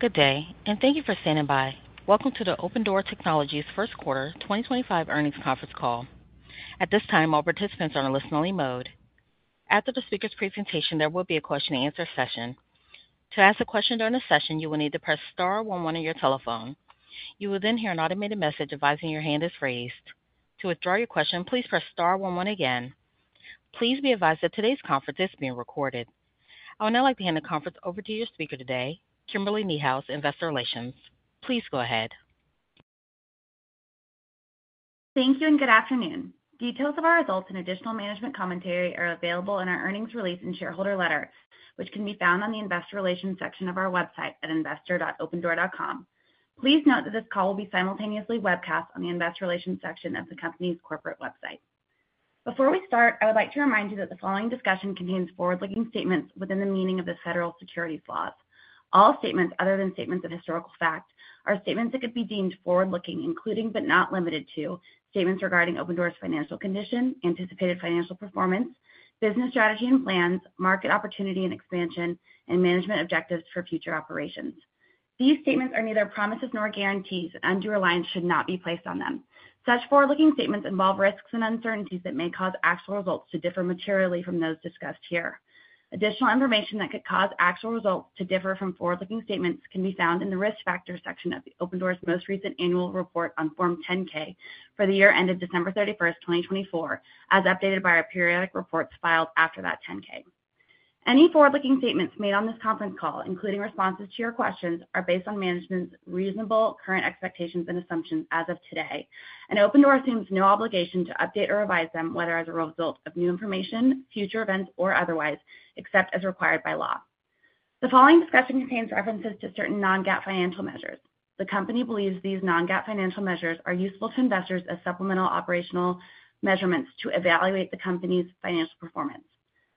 Good day, and thank you for standing by. Welcome to the Opendoor Technologies First Quarter 2025 Earnings Conference Call. At this time, all participants are in a listen-only mode. After the speaker's presentation, there will be a question-and-answer session. To ask a question during the session, you will need to press star 11 on your telephone. You will then hear an automated message advising your hand is raised. To withdraw your question, please press star 11 again. Please be advised that today's conference is being recorded. I would now like to hand the conference over to your speaker today, Kimberly Niehaus, Investor Relations. Please go ahead. Thank you and good afternoon. Details of our results and additional management commentary are available in our earnings release and shareholder letter, which can be found on the Investor Relations section of our website at investor.opendoor.com. Please note that this call will be simultaneously webcast on the Investor Relations section of the company's corporate website. Before we start, I would like to remind you that the following discussion contains forward-looking statements within the meaning of the federal securities laws. All statements other than statements of historical fact are statements that could be deemed forward-looking, including but not limited to statements regarding Opendoor's financial condition, anticipated financial performance, business strategy and plans, market opportunity and expansion, and management objectives for future operations. These statements are neither promises nor guarantees, and undue reliance should not be placed on them. Such forward-looking statements involve risks and uncertainties that may cause actual results to differ materially from those discussed here. Additional information that could cause actual results to differ from forward-looking statements can be found in the risk factors section of Opendoor's most recent annual report on Form 10-K for the year ended December 31, 2024, as updated by our periodic reports filed after that 10-K. Any forward-looking statements made on this conference call, including responses to your questions, are based on management's reasonable current expectations and assumptions as of today, and Opendoor assumes no obligation to update or revise them whether as a result of new information, future events, or otherwise, except as required by law. The following discussion contains references to certain non-GAAP financial measures. The company believes these non-GAAP financial measures are useful to investors as supplemental operational measurements to evaluate the company's financial performance.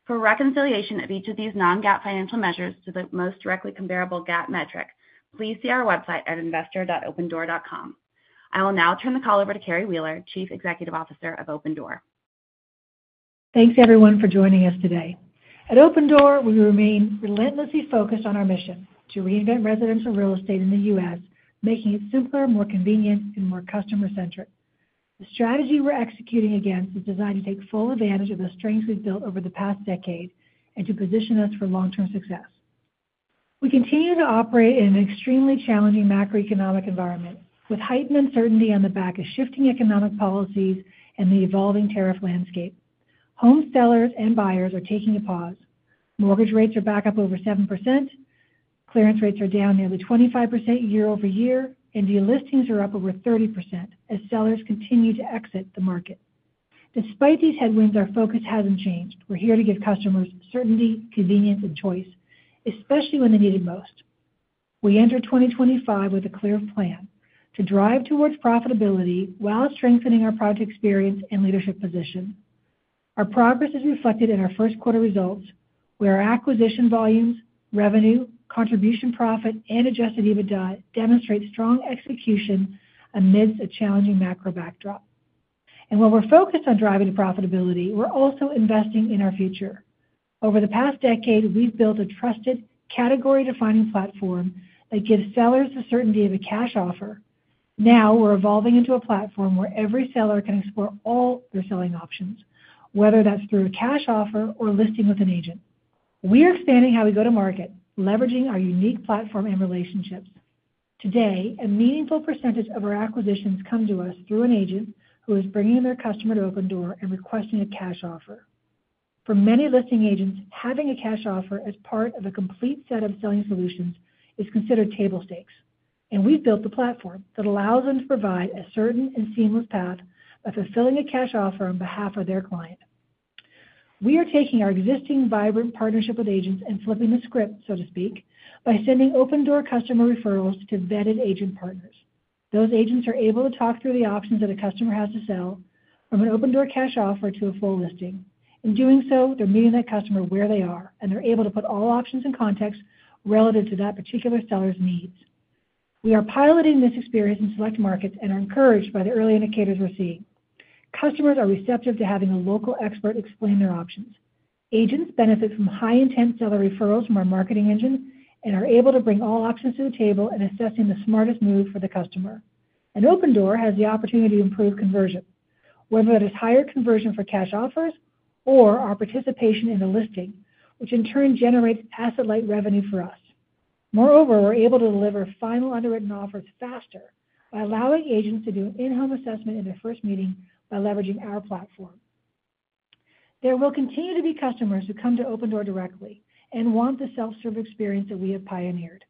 For reconciliation of each of these non-GAAP financial measures to the most directly comparable GAAP metric, please see our website at investor.opendoor.com. I will now turn the call over to Carrie Wheeler, Chief Executive Officer of Opendoor. Thanks, everyone, for joining us today. At Opendoor, we remain relentlessly focused on our mission to reinvent residential real estate in the U.S., making it simpler, more convenient, and more customer-centric. The strategy we're executing against is designed to take full advantage of the strengths we've built over the past decade and to position us for long-term success. We continue to operate in an extremely challenging macroeconomic environment with heightened uncertainty on the back of shifting economic policies and the evolving tariff landscape. Home sellers and buyers are taking a pause. Mortgage rates are back up over 7%. Clearance rates are down nearly 25% year over year, and de-listings are up over 30% as sellers continue to exit the market. Despite these headwinds, our focus hasn't changed. We're here to give customers certainty, convenience, and choice, especially when they need it most. We enter 2025 with a clear plan to drive towards profitability while strengthening our product experience and leadership position. Our progress is reflected in our first quarter results, where our acquisition volumes, revenue, contribution profit, and adjusted EBITDA demonstrate strong execution amidst a challenging macro backdrop. While we're focused on driving profitability, we're also investing in our future. Over the past decade, we've built a trusted category-defining platform that gives sellers the certainty of a cash offer. Now we're evolving into a platform where every seller can explore all their selling options, whether that's through a cash offer or listing with an agent. We are expanding how we go to market, leveraging our unique platform and relationships. Today, a meaningful percentage of our acquisitions come to us through an agent who is bringing their customer to Opendoor and requesting a cash offer. For many listing agents, having a cash offer as part of a complete set of selling solutions is considered table stakes, and we've built the platform that allows them to provide a certain and seamless path of fulfilling a cash offer on behalf of their client. We are taking our existing vibrant partnership with agents and flipping the script, so to speak, by sending Opendoor customer referrals to vetted agent partners. Those agents are able to talk through the options that a customer has to sell, from an Opendoor cash offer to a full listing. In doing so, they're meeting that customer where they are, and they're able to put all options in context relative to that particular seller's needs. We are piloting this experience in select markets and are encouraged by the early indicators we're seeing. Customers are receptive to having a local expert explain their options. Agents benefit from high-intent seller referrals from our marketing engine and are able to bring all options to the table in assessing the smartest move for the customer. Opendoor has the opportunity to improve conversion, whether that is higher conversion for cash offers or our participation in the listing, which in turn generates asset-like revenue for us. Moreover, we're able to deliver final underwritten offers faster by allowing agents to do an in-home assessment in their first meeting by leveraging our platform. There will continue to be customers who come to Opendoor directly and want the self-serve experience that we have pioneered,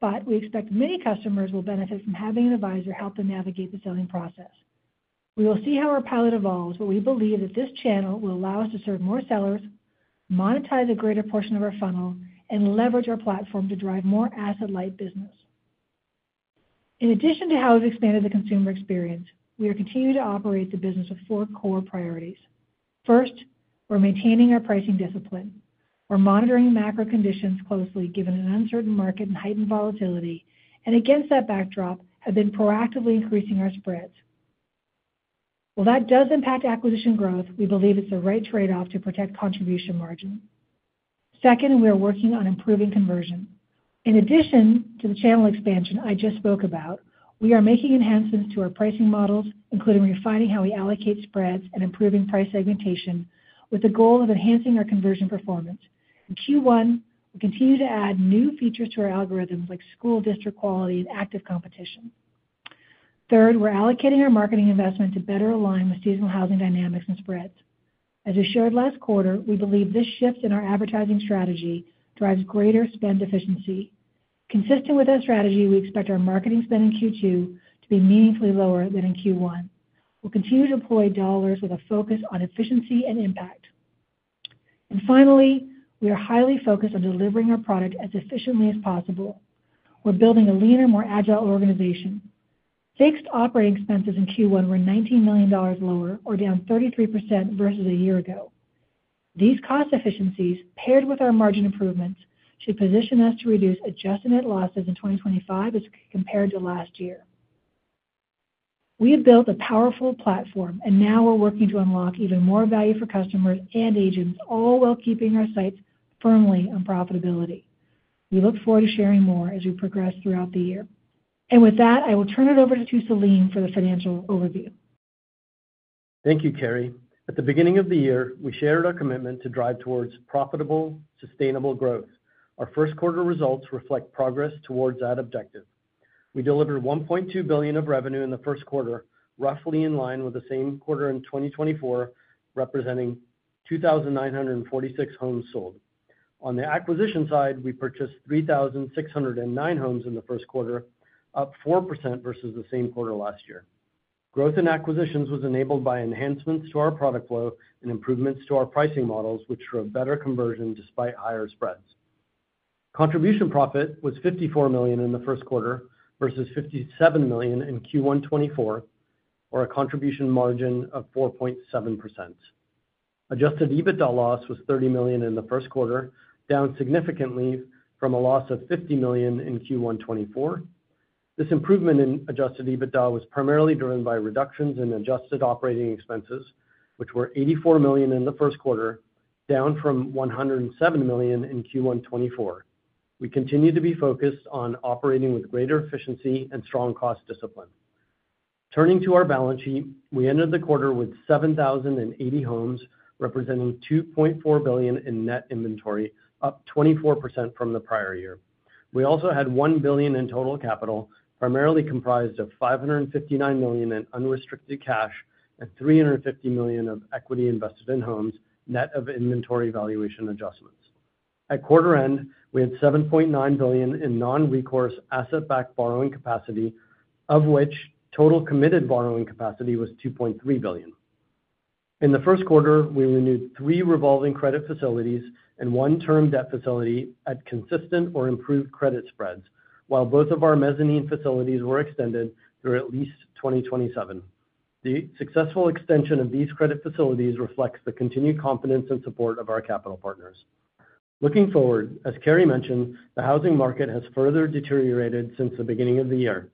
but we expect many customers will benefit from having an advisor help them navigate the selling process. We will see how our pilot evolves, but we believe that this channel will allow us to serve more sellers, monetize a greater portion of our funnel, and leverage our platform to drive more asset-like business. In addition to how we've expanded the consumer experience, we are continuing to operate the business with four core priorities. First, we're maintaining our pricing discipline. We're monitoring macro conditions closely given an uncertain market and heightened volatility, and against that backdrop, have been proactively increasing our spreads. While that does impact acquisition growth, we believe it's the right trade-off to protect contribution margins. Second, we are working on improving conversion. In addition to the channel expansion I just spoke about, we are making enhancements to our pricing models, including refining how we allocate spreads and improving price segmentation with the goal of enhancing our conversion performance. In Q1, we continue to add new features to our algorithms like school district quality and active competition. Third, we're allocating our marketing investment to better align with seasonal housing dynamics and spreads. As we shared last quarter, we believe this shift in our advertising strategy drives greater spend efficiency. Consistent with our strategy, we expect our marketing spend in Q2 to be meaningfully lower than in Q1. We'll continue to deploy dollars with a focus on efficiency and impact. Finally, we are highly focused on delivering our product as efficiently as possible. We're building a leaner, more agile organization. Fixed operating expenses in Q1 were $19 million lower, or down 33% versus a year ago. These cost efficiencies, paired with our margin improvements, should position us to reduce adjusted net losses in 2025 as compared to last year. We have built a powerful platform, and now we're working to unlock even more value for customers and agents, all while keeping our sights firmly on profitability. We look forward to sharing more as we progress throughout the year. I will turn it over to Selim for the financial overview. Thank you, Carrie. At the beginning of the year, we shared our commitment to drive towards profitable, sustainable growth. Our first quarter results reflect progress towards that objective. We delivered $1.2 billion of revenue in the first quarter, roughly in line with the same quarter in 2024, representing 2,946 homes sold. On the acquisition side, we purchased 3,609 homes in the first quarter, up 4% versus the same quarter last year. Growth in acquisitions was enabled by enhancements to our product flow and improvements to our pricing models, which drove better conversion despite higher spreads. Contribution profit was $54 million in the first quarter versus $57 million in Q1 2024, or a contribution margin of 4.7%. Adjusted EBITDA loss was $30 million in the first quarter, down significantly from a loss of $50 million in Q1 2024. This improvement in adjusted EBITDA was primarily driven by reductions in adjusted operating expenses, which were $84 million in the first quarter, down from $107 million in Q1 2024. We continue to be focused on operating with greater efficiency and strong cost discipline. Turning to our balance sheet, we ended the quarter with 7,080 homes representing $2.4 billion in net inventory, up 24% from the prior year. We also had $1 billion in total capital, primarily comprised of $559 million in unrestricted cash and $350 million of equity invested in homes, net of inventory valuation adjustments. At quarter end, we had $7.9 billion in non-recourse asset-backed borrowing capacity, of which total committed borrowing capacity was $2.3 billion. In the first quarter, we renewed three revolving credit facilities and one term debt facility at consistent or improved credit spreads, while both of our mezzanine facilities were extended through at least 2027. The successful extension of these credit facilities reflects the continued confidence and support of our capital partners. Looking forward, as Carrie mentioned, the housing market has further deteriorated since the beginning of the year.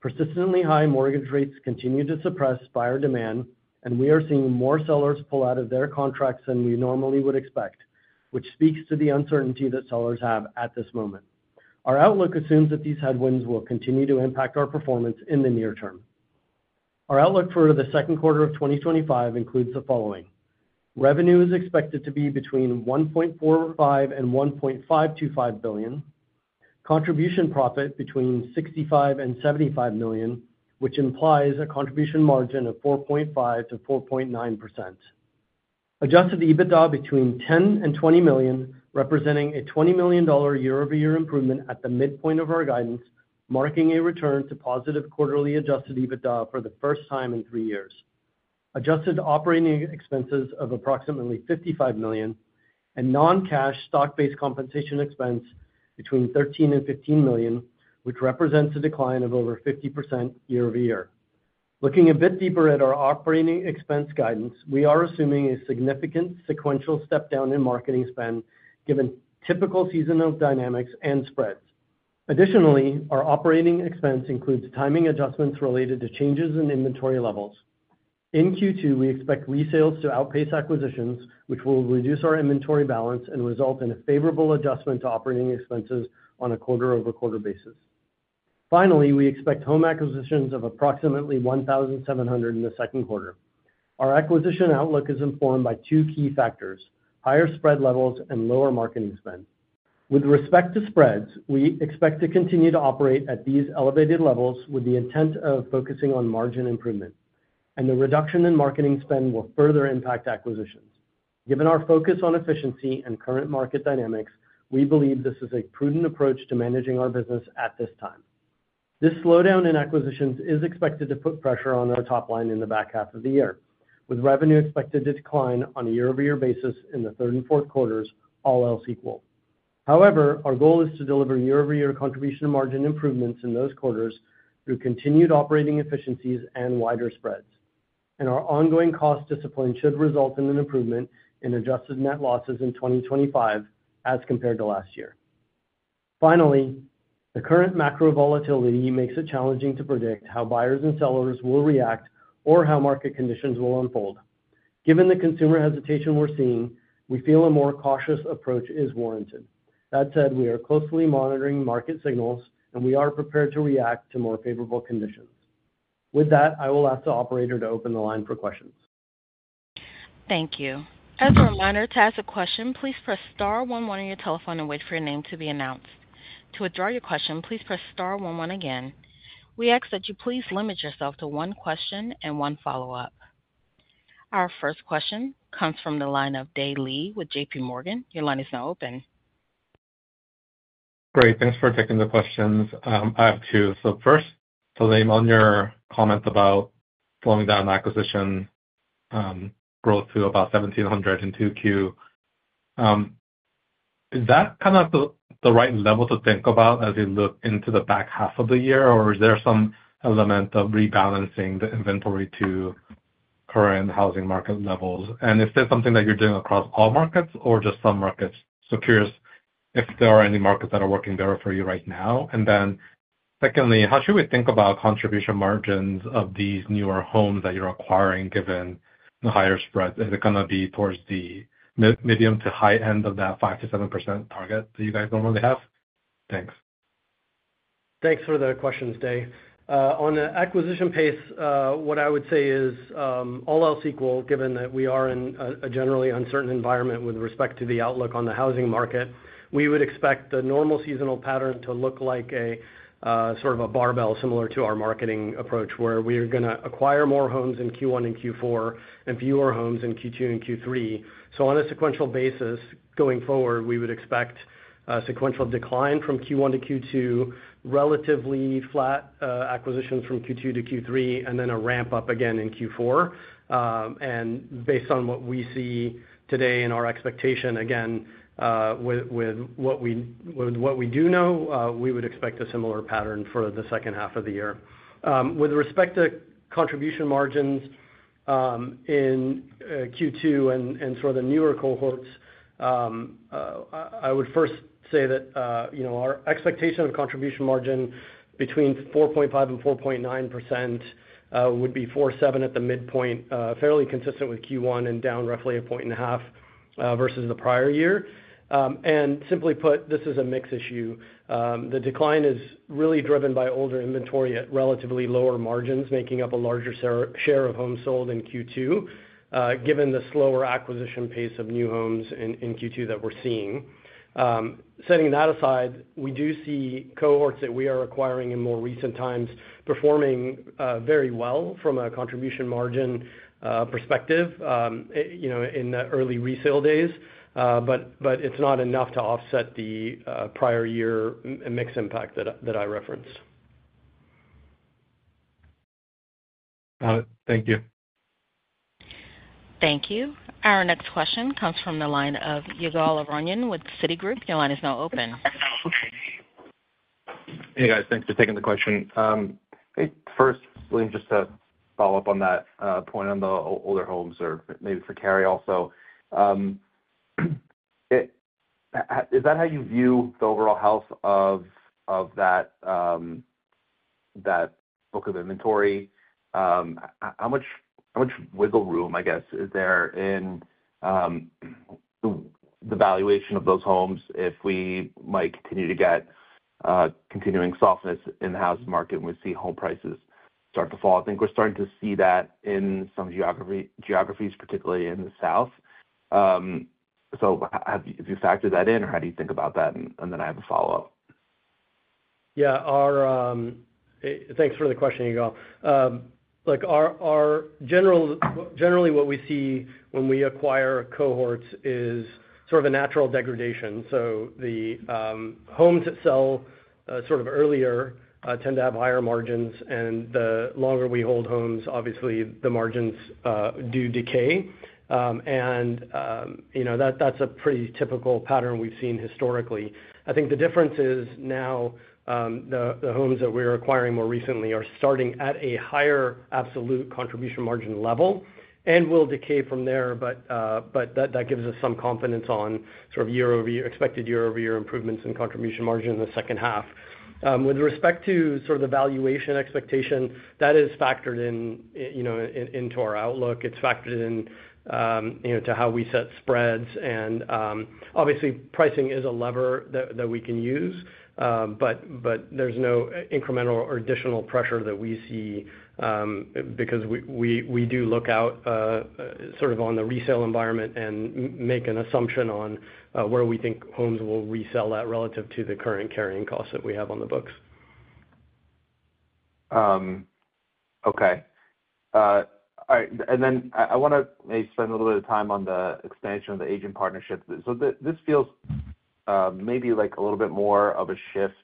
Persistently high mortgage rates continue to suppress buyer demand, and we are seeing more sellers pull out of their contracts than we normally would expect, which speaks to the uncertainty that sellers have at this moment. Our outlook assumes that these headwinds will continue to impact our performance in the near term. Our outlook for the second quarter of 2025 includes the following: revenue is expected to be between $1.45 billion and $1.525 billion, contribution profit between $65 million and $75 million, which implies a contribution margin of 4.5%-4.9%. Adjusted EBITDA between $10 million and $20 million, representing a $20 million year-over-year improvement at the midpoint of our guidance, marking a return to positive quarterly adjusted EBITDA for the first time in three years. Adjusted operating expenses of approximately $55 million and non-cash stock-based compensation expense between $13 million and $15 million, which represents a decline of over 50% year-over-year. Looking a bit deeper at our operating expense guidance, we are assuming a significant sequential step down in marketing spend given typical seasonal dynamics and spreads. Additionally, our operating expense includes timing adjustments related to changes in inventory levels. In Q2, we expect resales to outpace acquisitions, which will reduce our inventory balance and result in a favorable adjustment to operating expenses on a quarter-over-quarter basis. Finally, we expect home acquisitions of approximately 1,700 in the second quarter. Our acquisition outlook is informed by two key factors: higher spread levels and lower marketing spend. With respect to spreads, we expect to continue to operate at these elevated levels with the intent of focusing on margin improvement, and the reduction in marketing spend will further impact acquisitions. Given our focus on efficiency and current market dynamics, we believe this is a prudent approach to managing our business at this time. This slowdown in acquisitions is expected to put pressure on our top line in the back half of the year, with revenue expected to decline on a year-over-year basis in the third and fourth quarters, all else equal. However, our goal is to deliver year-over-year contribution margin improvements in those quarters through continued operating efficiencies and wider spreads, and our ongoing cost discipline should result in an improvement in adjusted net losses in 2025 as compared to last year. Finally, the current macro volatility makes it challenging to predict how buyers and sellers will react or how market conditions will unfold. Given the consumer hesitation we're seeing, we feel a more cautious approach is warranted. That said, we are closely monitoring market signals, and we are prepared to react to more favorable conditions. With that, I will ask the operator to open the line for questions. Thank you. As a reminder to ask a question, please press star 11 on your telephone and wait for your name to be announced. To withdraw your question, please press star 11 again. We ask that you please limit yourself to one question and one follow-up. Our first question comes from the line of Dae Lee with JPMorgan. Your line is now open. Great. Thanks for taking the questions. I have two. First, Selim, on your comment about slowing down acquisition growth to about 1,700 in Q2, is that kind of the right level to think about as you look into the back half of the year, or is there some element of rebalancing the inventory to current housing market levels? Is this something that you're doing across all markets or just some markets? I'm curious if there are any markets that are working better for you right now. Secondly, how should we think about contribution margins of these newer homes that you're acquiring given the higher spreads? Is it going to be towards the medium to high end of that 5%-7% target that you guys normally have? Thanks. Thanks for the questions, Day. On the acquisition pace, what I would say is all else equal, given that we are in a generally uncertain environment with respect to the outlook on the housing market, we would expect the normal seasonal pattern to look like a sort of a barbell similar to our marketing approach, where we are going to acquire more homes in Q1 and Q4 and fewer homes in Q2 and Q3. On a sequential basis, going forward, we would expect a sequential decline from Q1-Q2, relatively flat acquisitions from Q2-Q3, and then a ramp up again in Q4. Based on what we see today and our expectation, again, with what we do know, we would expect a similar pattern for the second half of the year. With respect to contribution margins in Q2 and sort of the newer cohorts, I would first say that our expectation of contribution margin between 4.5%-4.9% would be 4.7% at the midpoint, fairly consistent with Q1 and down roughly a point and a half versus the prior year. This is a mix issue. The decline is really driven by older inventory at relatively lower margins, making up a larger share of homes sold in Q2, given the slower acquisition pace of new homes in Q2 that we're seeing. Setting that aside, we do see cohorts that we are acquiring in more recent times performing very well from a contribution margin perspective in the early resale days, but it's not enough to offset the prior year mix impact that I referenced. Got it. Thank you. Thank you. Our next question comes from the line of Ygal Arounian with Citigroup. Your line is now open. Hey, guys. Thanks for taking the question. First, Selim, just to follow up on that point on the older homes, or maybe for Carrie also. Is that how you view the overall health of that book of inventory? How much wiggle room, I guess, is there in the valuation of those homes if we might continue to get continuing softness in the housing market and we see home prices start to fall? I think we're starting to see that in some geographies, particularly in the South. Have you factored that in, or how do you think about that? I have a follow-up. Yeah. Thanks for the question, Ygal. Generally, what we see when we acquire cohorts is sort of a natural degradation. The homes that sell sort of earlier tend to have higher margins, and the longer we hold homes, obviously, the margins do decay. That is a pretty typical pattern we've seen historically. I think the difference is now the homes that we're acquiring more recently are starting at a higher absolute contribution margin level and will decay from there, but that gives us some confidence on sort of expected year-over-year improvements in contribution margin in the second half. With respect to sort of the valuation expectation, that is factored into our outlook. It's factored into how we set spreads. Obviously, pricing is a lever that we can use, but there's no incremental or additional pressure that we see because we do look out sort of on the resale environment and make an assumption on where we think homes will resell relative to the current carrying costs that we have on the books. Okay. All right. I want to maybe spend a little bit of time on the expansion of the agent partnership. This feels maybe like a little bit more of a shift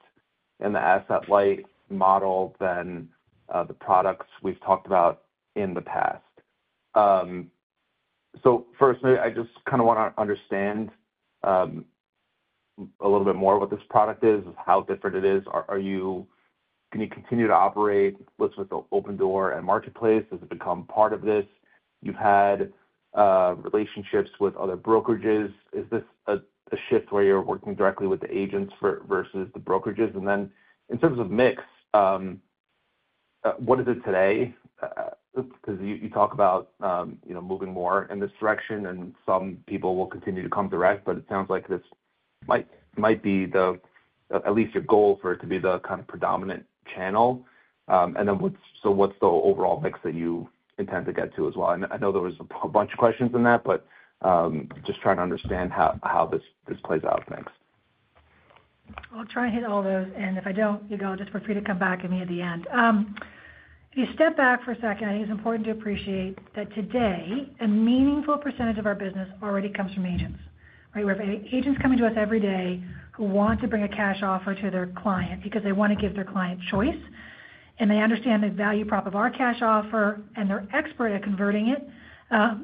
in the asset light model than the products we've talked about in the past. First, I just kind of want to understand a little bit more what this product is, how different it is. Can you continue to operate with Opendoor and Marketplace? Has it become part of this? You've had relationships with other brokerages. Is this a shift where you're working directly with the agents versus the brokerages? In terms of mix, what is it today? Because you talk about moving more in this direction, and some people will continue to come direct, but it sounds like this might be at least your goal for it to be the kind of predominant channel. What's the overall mix that you intend to get to as well? I know there was a bunch of questions in that, but just trying to understand how this plays out next. I'll try and hit all those. If I don't, Ygal, just feel free to come back at me at the end. If you step back for a second, I think it's important to appreciate that today, a meaningful percentage of our business already comes from agents, right? We have agents coming to us every day who want to bring a cash offer to their client because they want to give their client choice. They understand the value prop of our cash offer and they're expert at converting it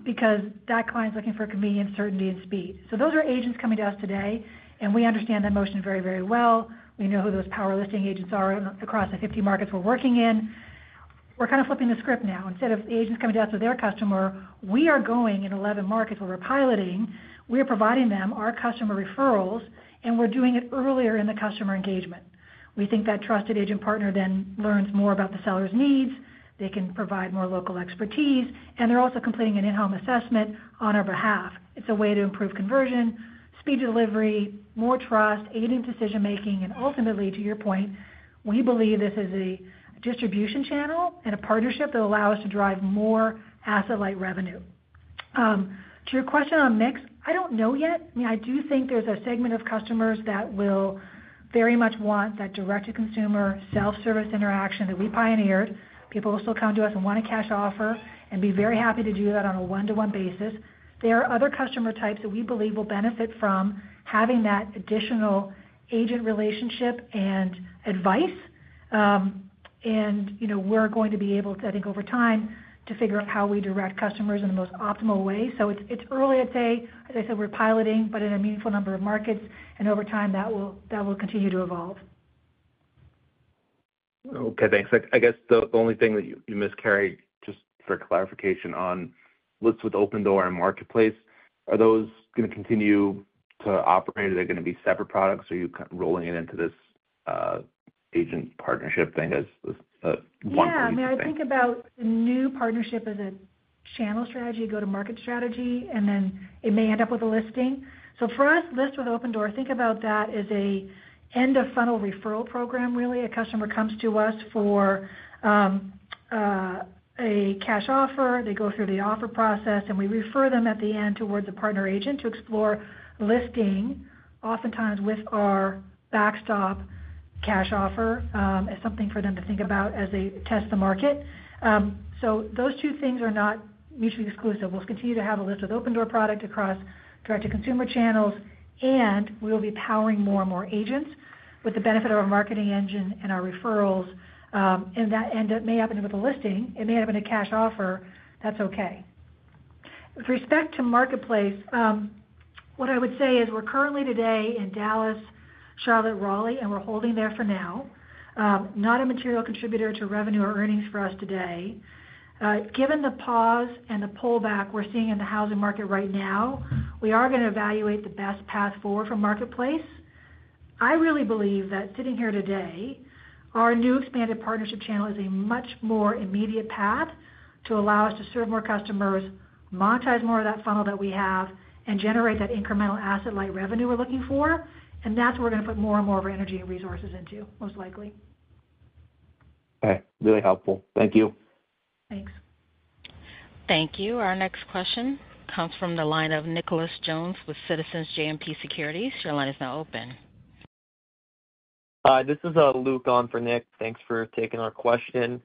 because that client's looking for convenience, certainty, and speed. Those are agents coming to us today, and we understand that motion very, very well. We know who those power listing agents are across the 50 markets we're working in. We're kind of flipping the script now. Instead of the agents coming to us with their customer, we are going in 11 markets where we're piloting. We are providing them our customer referrals, and we're doing it earlier in the customer engagement. We think that trusted agent partner then learns more about the seller's needs. They can provide more local expertise, and they're also completing an in-home assessment on our behalf. It's a way to improve conversion, speed delivery, more trust, aiding decision-making, and ultimately, to your point, we believe this is a distribution channel and a partnership that will allow us to drive more asset-light revenue. To your question on mix, I don't know yet. I mean, I do think there's a segment of customers that will very much want that direct-to-consumer self-service interaction that we pioneered. People will still come to us and want a cash offer and be very happy to do that on a one-to-one basis. There are other customer types that we believe will benefit from having that additional agent relationship and advice. We are going to be able to, I think, over time, figure out how we direct customers in the most optimal way. It is early, I'd say. As I said, we are piloting, but in a meaningful number of markets, and over time, that will continue to evolve. Okay. Thanks. I guess the only thing that you miscarried, just for clarification, on List with Opendoor and Marketplace, are those going to continue to operate? Are they going to be separate products, or are you rolling it into this agent partnership thing as one? Yeah. I mean, I think about the new partnership as a channel strategy, go-to-market strategy, and then it may end up with a listing. For us, List with Opendoor, think about that as an end-of-funnel referral program, really. A customer comes to us for a cash offer. They go through the offer process, and we refer them at the end towards a partner agent to explore listing, oftentimes with our backstop cash offer. It's something for them to think about as they test the market. Those two things are not mutually exclusive. We'll continue to have a List with Opendoor product across direct-to-consumer channels, and we will be powering more and more agents with the benefit of our marketing engine and our referrals. That may happen with a listing. It may happen with a cash offer. That's okay. With respect to Marketplace, what I would say is we're currently today in Dallas, Charlotte, Raleigh, and we're holding there for now. Not a material contributor to revenue or earnings for us today. Given the pause and the pullback we're seeing in the housing market right now, we are going to evaluate the best path forward for Marketplace. I really believe that sitting here today, our new expanded partnership channel is a much more immediate path to allow us to serve more customers, monetize more of that funnel that we have, and generate that incremental asset-light revenue we're looking for. That's where we're going to put more and more of our energy and resources into, most likely. Okay. Really helpful. Thank you. Thanks. Thank you. Our next question comes from the line of Nicholas Jones with Citizens JMP Securities. Your line is now open. This is Luke on for Nick. Thanks for taking our question.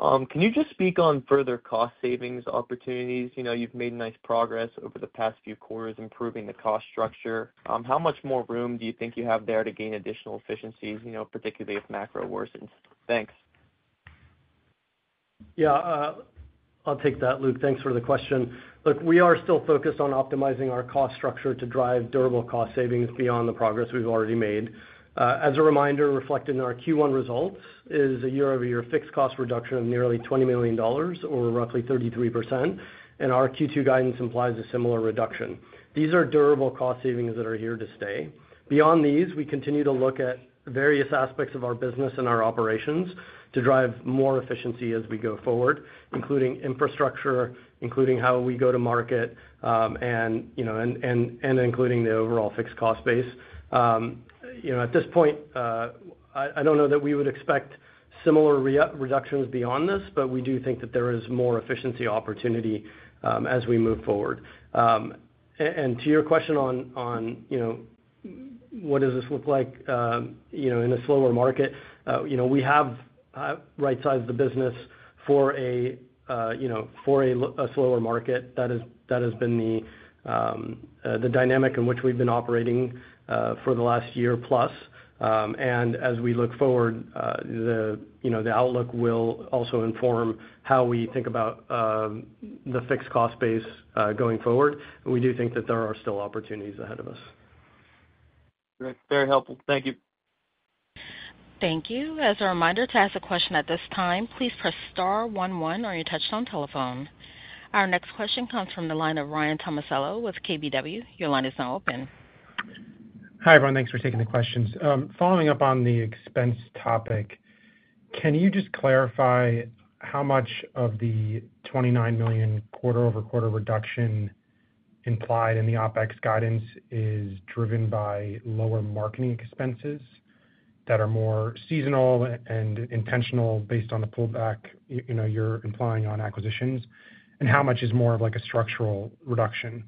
Can you just speak on further cost savings opportunities? You've made nice progress over the past few quarters improving the cost structure. How much more room do you think you have there to gain additional efficiencies, particularly if macro worsens? Thanks. Yeah. I'll take that, Luke. Thanks for the question. Look, we are still focused on optimizing our cost structure to drive durable cost savings beyond the progress we've already made. As a reminder, reflected in our Q1 results is a year-over-year fixed cost reduction of nearly $20 million, or roughly 33%, and our Q2 guidance implies a similar reduction. These are durable cost savings that are here to stay. Beyond these, we continue to look at various aspects of our business and our operations to drive more efficiency as we go forward, including infrastructure, including how we go to market, and including the overall fixed cost base. At this point, I don't know that we would expect similar reductions beyond this, but we do think that there is more efficiency opportunity as we move forward. To your question on what does this look like in a slower market, we have right-sized the business for a slower market. That has been the dynamic in which we've been operating for the last year plus. As we look forward, the outlook will also inform how we think about the fixed cost base going forward. We do think that there are still opportunities ahead of us. Very helpful. Thank you. Thank you. As a reminder, to ask a question at this time, please press star 1 1 on your touch-tone telephone. Our next question comes from the line of Ryan Tomasello with KBW. Your line is now open. Hi everyone. Thanks for taking the questions. Following up on the expense topic, can you just clarify how much of the $29 million quarter-over-quarter reduction implied in the OpEx guidance is driven by lower marketing expenses that are more seasonal and intentional based on the pullback you're implying on acquisitions, and how much is more of a structural reduction?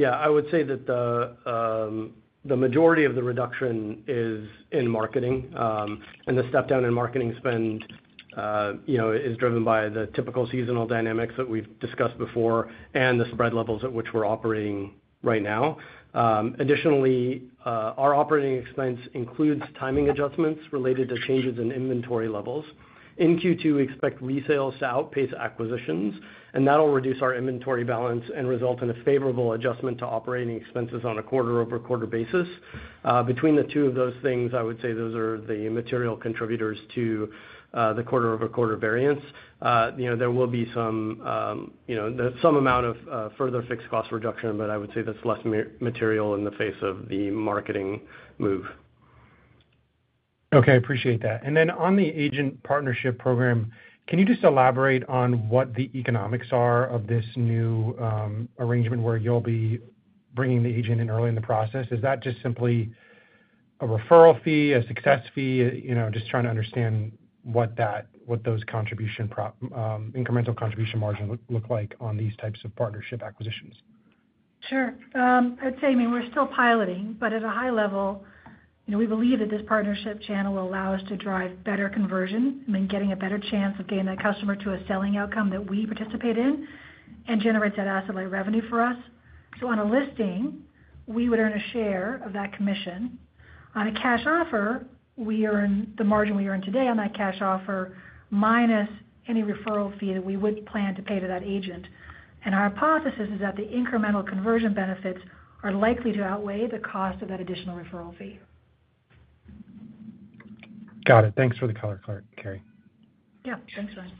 Yeah. I would say that the majority of the reduction is in marketing, and the step-down in marketing spend is driven by the typical seasonal dynamics that we've discussed before and the spread levels at which we're operating right now. Additionally, our operating expense includes timing adjustments related to changes in inventory levels. In Q2, we expect resales to outpace acquisitions, and that'll reduce our inventory balance and result in a favorable adjustment to operating expenses on a quarter-over-quarter basis. Between the two of those things, I would say those are the material contributors to the quarter-over-quarter variance. There will be some amount of further fixed cost reduction, but I would say that's less material in the face of the marketing move. Okay. I appreciate that. Then on the agent partnership program, can you just elaborate on what the economics are of this new arrangement where you'll be bringing the agent in early in the process? Is that just simply a referral fee, a success fee? Just trying to understand what those incremental contribution margins look like on these types of partnership acquisitions. Sure. I'd say, I mean, we're still piloting, but at a high level, we believe that this partnership channel will allow us to drive better conversion. I mean, getting a better chance of getting that customer to a selling outcome that we participate in and generates that asset-light revenue for us. On a listing, we would earn a share of that commission. On a cash offer, we earn the margin we earn today on that cash offer minus any referral fee that we would plan to pay to that agent. Our hypothesis is that the incremental conversion benefits are likely to outweigh the cost of that additional referral fee. Got it. Thanks for the color, Carrie. Yeah. Thanks, Ryan.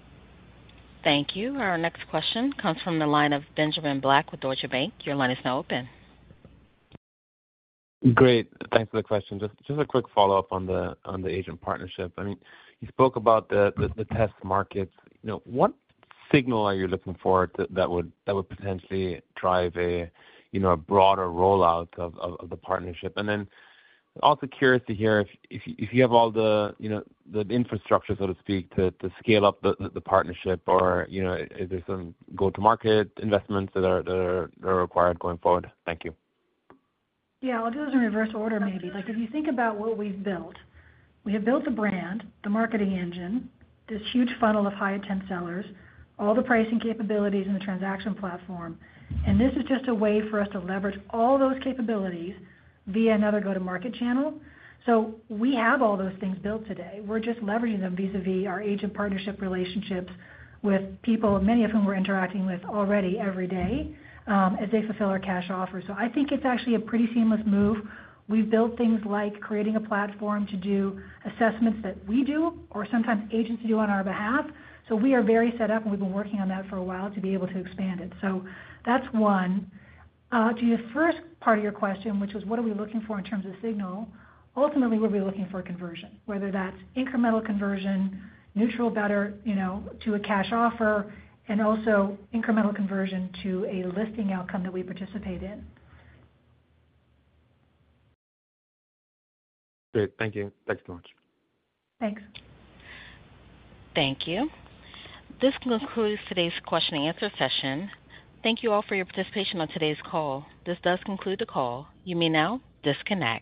Thank you. Our next question comes from the line of Benjamin Black with Deutsche Bank. Your line is now open. Great. Thanks for the question. Just a quick follow-up on the agent partnership. I mean, you spoke about the test markets. What signal are you looking for that would potentially drive a broader rollout of the partnership? Also curious to hear if you have all the infrastructure, so to speak, to scale up the partnership, or is there some go-to-market investments that are required going forward? Thank you. Yeah. I'll do it in reverse order, maybe. If you think about what we've built, we have built the brand, the marketing engine, this huge funnel of high-intent sellers, all the pricing capabilities in the transaction platform. This is just a way for us to leverage all those capabilities via another go-to-market channel. We have all those things built today. We're just leveraging them vis-à-vis our agent partnership relationships with people, many of whom we're interacting with already every day as they fulfill our cash offer. I think it's actually a pretty seamless move. We've built things like creating a platform to do assessments that we do or sometimes agents do on our behalf. We are very set up, and we've been working on that for a while to be able to expand it. That's one. To your first part of your question, which was, what are we looking for in terms of signal, ultimately, we'll be looking for conversion, whether that's incremental conversion, neutral, better to a cash offer, and also incremental conversion to a listing outcome that we participate in. Great. Thank you. Thanks so much. Thanks. Thank you. This concludes today's question-and-answer session. Thank you all for your participation on today's call. This does conclude the call. You may now disconnect.